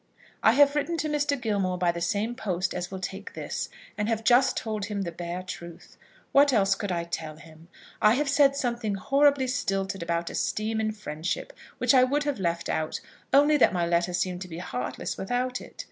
I have written to Mr. Gilmore by the same post as will take this, and have just told him the bare truth. What else could I tell him? I have said something horribly stilted about esteem and friendship, which I would have left out, only that my letter seemed to be heartless without it.